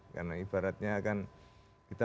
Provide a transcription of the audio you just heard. karena ibaratnya kan kita